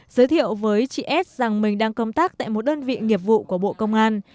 giới thiệu với chị s rằng mình đang công tác tại một đơn vị nghiệp vụ của bộ công an